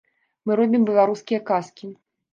Мы робім беларускія казкі.